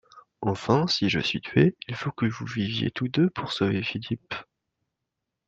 Enfin, si je suis tué, il faut que vous viviez tous deux pour sauver Philippe.